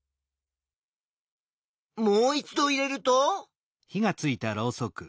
もう一度入れると。